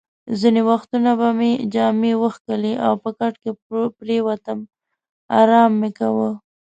ځینې وختونه به مې جامې وکښلې او په کټ کې پرېوتم، ارام مې کاوه.